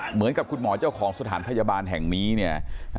เหมือนทีมมองเจ้าของสถานพยาบาลแห่งมีนี้